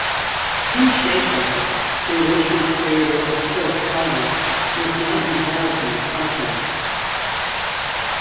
Tim Schafer, the original creator of "Full Throttle", was not involved in the project.